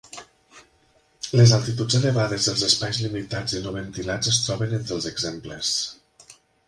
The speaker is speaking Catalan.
Les altituds elevades i els espais limitats i no ventilats es troben entre els exemples.